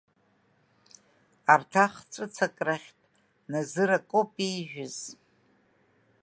Арҭ ахҵәыцак рахьтә, Назыр акоуп иижәыз.